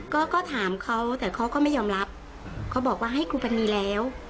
ก็ก็ถามเขาแต่เขาก็ไม่ยอมรับเขาบอกว่าให้ครูปณีแล้ว